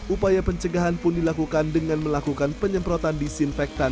upaya pencegahan pun dilakukan dengan melakukan penyemprotan disinfektan